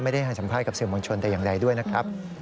ไม่ได้ให้สัมภาษณ์กับสื่อมงชนแต่อย่างไรด้วยนะครับ